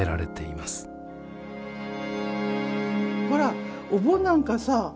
ほらお盆なんかさ